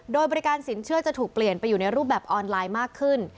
โดยบริการสินเชื่อจะถูกเปลี่ยนไปอยู่ในรูปแบบออนไลน์มากขึ้น